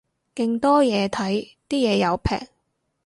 勁多嘢睇，啲嘢又平